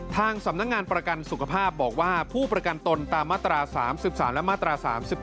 ทางสำนักงานประกันสุขภาพบอกว่าผู้ประกันตนตามมาตรา๓๓และมาตรา๓๘